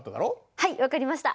はい分かりました。